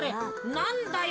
なんだよ。